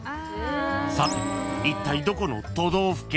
［さていったいどこの都道府県？］